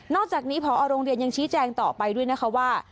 อกจากนี้พอโรงเรียนยังชี้แจงต่อไปด้วยนะคะว่า